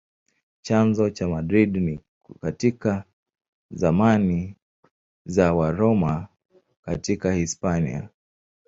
Chanzo cha Madrid ni katika zamani za Waroma katika Hispania.